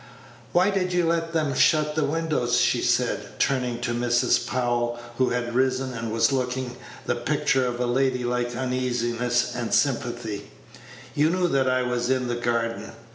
"Why did you let them shut the windows?" she said, turning to Mrs. Powell, who had risen, and was looking the picture of lady like Page 91 uneasiness and sympathy. "You knew that I was in the garden."